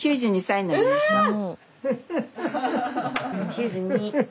９２。